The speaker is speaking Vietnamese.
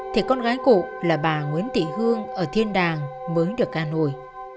thì con gái cụ là bà nguyễn thị hương ở thiên đàng mới được ca nuôi